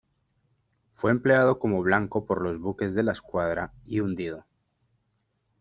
Fue empleado como blanco por los buques de la Escuadra y hundido.